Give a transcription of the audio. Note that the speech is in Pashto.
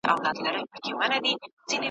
خو قوت یې وو زبېښلی څو کلونو ,